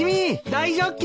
大ジョッキ！